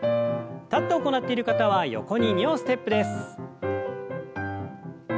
立って行っている方は横に２歩ステップです。